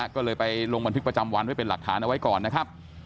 ก็เลยไปลงบันทึกประจำวันไว้เป็นหลักฐานเอาไว้ก่อนนะครับ